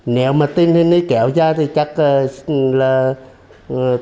nếu mà tình hình này kéo ra thì chắc là tôi cũng bỏ nghị tạm thời nghị một giai đoạn để cho giá cả